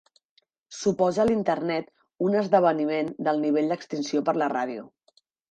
Suposa l'Internet un esdeveniment del nivell d'extinció per la ràdio.